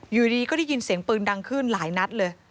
อยู่ดีก็ได้ยินเสียงปืนดังขึ้นหลายนัดเลย